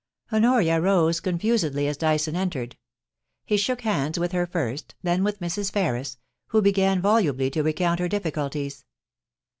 Honoria rose confusedly as Dyson entered. He shook hands with her first, then with Mrs. Ferris, who began volubly to recount her difficulties.